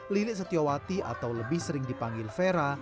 lilik setiawati atau lebih sering dipanggil vera